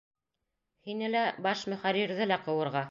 Һине лә, баш мөхәррирҙе лә ҡыуырға!